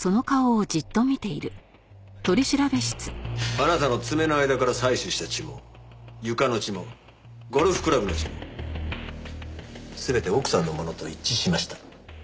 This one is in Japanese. あなたの爪の間から採取した血も床の血もゴルフクラブの血も全て奥さんのものと一致しました。